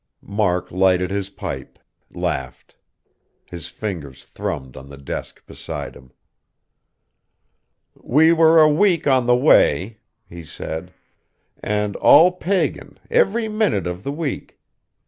Mark lighted his pipe, laughed.... His fingers thrummed on the desk beside him. "We were a week on the way," he said. "And all pagan, every minute of the week.